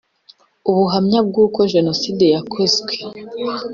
ubuhamya bw uko Jenoside yakozwe